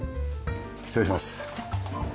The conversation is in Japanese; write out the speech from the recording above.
失礼します。